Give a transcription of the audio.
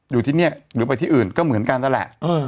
อยู่ที่นี่หรือไปที่อื่นก็เหมือนกันนั่นแหละ